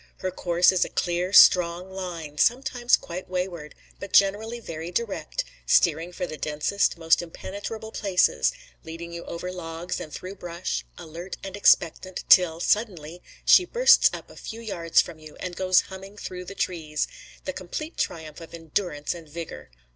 Her course is a clear, strong line, sometimes quite wayward, but generally very direct, steering for the densest, most impenetrable places, leading you over logs and through brush, alert and expectant, till, suddenly, she bursts up a few yards from you, and goes humming through the trees, the complete triumph of endurance and vigor.